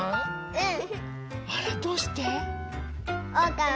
うん！